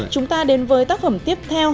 chúng ta đến với tác phẩm tiếp theo